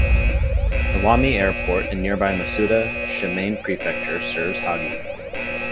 Iwami Airport in nearby Masuda, Shimane Prefecture serves Hagi.